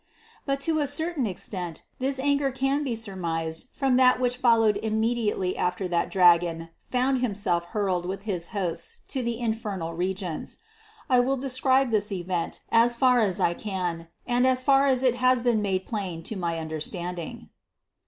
But to a certain extent this anger can be surmised from that which followed im mediately after that dragon found himself hurled with his hosts to the infernal regions. I will describe this event, as far as I can, and as far as it has been made plain to my understanding.